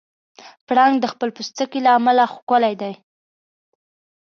پړانګ د خپل پوستکي له امله ښکلی دی.